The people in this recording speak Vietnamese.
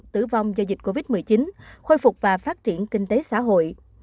tử vong do dịch covid một mươi chín khôi phục và phát triển kinh tế xã hội